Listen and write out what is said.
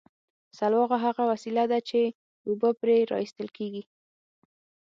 سلواغه هغه وسیله ده چې اوبه پرې را ایستل کیږي